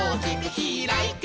「ひらいて」